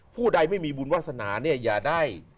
ผู้ใดไม่มีบุญวาสนาเนี่ยอย่าได้